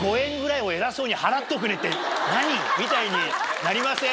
みたいになりません？